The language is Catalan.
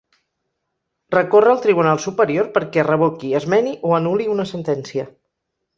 Recorre al tribunal superior perquè revoqui, esmeni o anul·li una sentència.